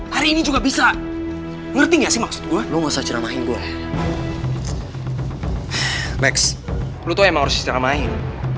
hari ini juga bisa ngerti nggak sih maksud gua lu masa ceramahin gue max lu tuh emang harus ceramahin